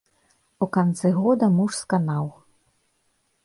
У канцы года муж сканаў.